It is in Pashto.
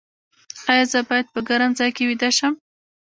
ایا زه باید په ګرم ځای کې ویده شم؟